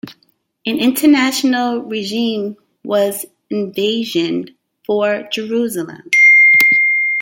An international regime was envisioned for Jerusalem.